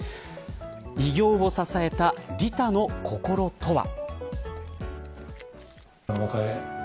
偉業を支えた利他の心とは。